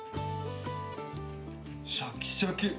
シャキシャキ！